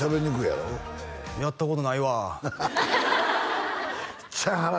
やったことないわ！